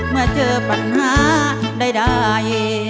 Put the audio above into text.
เมื่อเจอปัญหาได้ได้